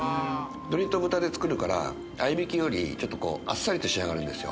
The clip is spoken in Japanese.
鶏と豚で作るから合いびきよりちょっとこうあっさりと仕上がるんですよ